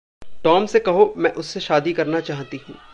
Tom से कहो मैं उससे शादी करना चाहती हूँ।